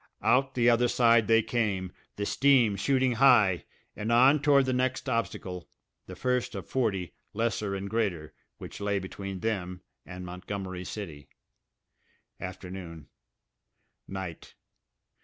Out the other side they came, the steam shooting high, and on toward the next obstacle, the first of forty, lesser and greater, which lay between them and Montgomery City. Afternoon ... night.